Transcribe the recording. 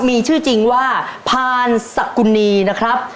มีชื่อจริงว่าพานสกุณีนะครับ